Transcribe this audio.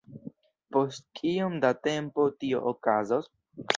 Post kiom da tempo tio okazos?